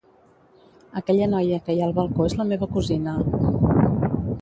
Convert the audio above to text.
Aquella noia que hi ha al balcó és la meva cosina.